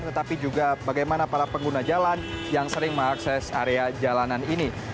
tetapi juga bagaimana para pengguna jalan yang sering mengakses area jalanan ini